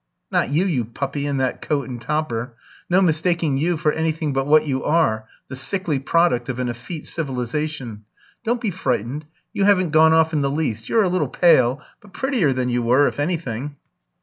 "Not you, you puppy, in that coat and topper. No mistaking you for anything but what you are the sickly product of an effete civilisation. Don't be frightened, you haven't gone off in the least; you're a little pale, but prettier than you were, if anything."